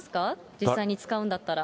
実際に使うんだったら。